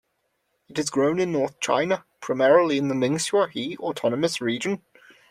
It is grown in North China, primarily in the Ningxia Hui Autonomous Region.